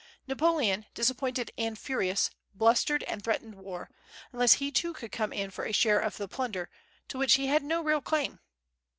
Napoleon, disappointed and furious, blustered, and threatened war, unless he too could come in for a share of the plunder, to which he had no real claim.